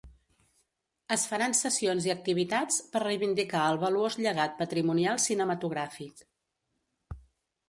Es faran sessions i activitats per reivindicar el valuós llegat patrimonial cinematogràfic.